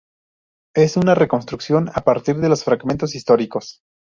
Es una reconstrucción a partir de los fragmentos históricos.